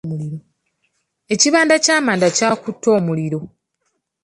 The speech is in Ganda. Ekibanda ky'amanda kyakutte omuliro.